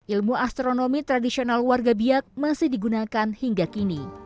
ilmu astronomi tradisional warga biak masih digunakan hingga kini